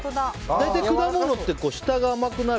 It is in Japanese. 大体、果物って下が甘くなる。